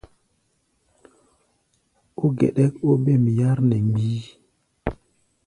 Ó geɗɛ́k óbêm yár nɛ mgbií.